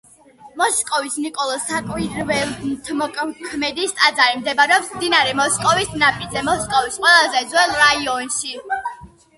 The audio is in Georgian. მოსკოვის ნიკოლოზ საკვირველთმოქმედის ტაძარი მდებარეობს მდინარე მოსკოვის ნაპირზე, მოსკოვის ყველაზე ძველ რაიონში.